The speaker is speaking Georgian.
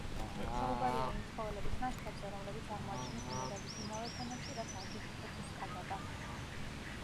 საუბარია იმ ცხოველების ნაშთებზე, რომლებიც აღმოაჩინეს ნიადაგის იმავე ფენებში, რაც არდიპითეკუს კადაბა.